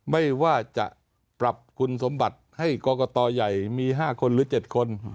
ไม่ว่าจะปรับคุณสมบัติให้กรกตใหญ่มี๕คนหรือ๗คน